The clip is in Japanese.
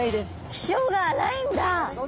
気性が荒いんだ！